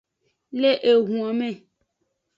Le ehunme.